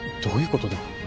どういうことだよ？